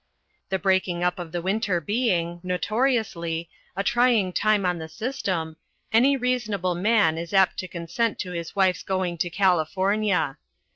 The breaking up of the winter being, notoriously, a trying time on the system, any reasonable man is apt to consent to his wife's going to California.